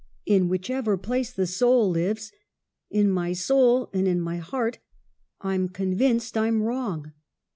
' In whichever place the soul lives. In my soul and in my heart I'm convinced I'm wrong.'